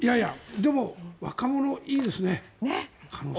でも、若者いいですね。